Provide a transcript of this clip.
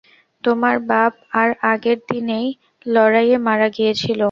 তোমার বাপ তার আগের দিনেই লড়াইয়ে মারা গিয়েছিলেন।